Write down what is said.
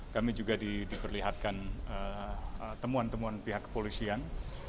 kami juga diperlihatkan temuan temuan pihak kepolisian